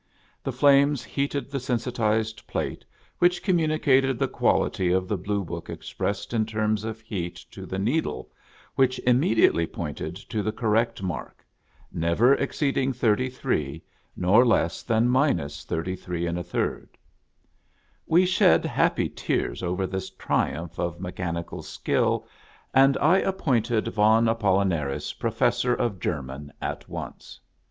The flames heated the sensitized plate which communicated the quality of the blue book expressed in terms of heat to the needle, which immediately pointed to the correct ' mark, — never exceeding 33, nor less than — 33J. We shed happy tears over this triumph of mechan ical skill, and I appointed Von Apollinaris Professor of German at once.